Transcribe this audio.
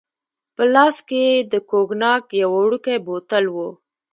په لاس کې يې د کوګناک یو وړوکی بوتل وو.